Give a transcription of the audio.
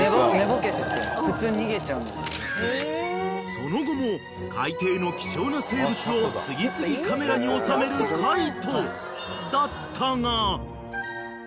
［その後も海底の貴重な生物を次々カメラに収める海人だったが］